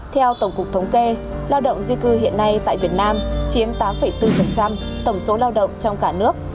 theo tổng cục thống kê lao động di cư hiện nay tại việt nam chiếm tám bốn tổng số lao động trong cả nước